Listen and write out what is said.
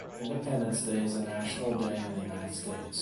Independence Day is the National Day of the United States.